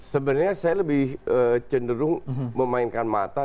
sebenarnya saya lebih cenderung memainkan mata